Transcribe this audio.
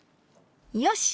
よし。